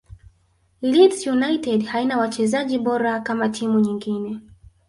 leeds united haina wachezaji bora kama timu nyingine